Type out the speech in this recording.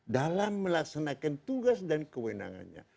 dalam melaksanakan tugas dan kewenangannya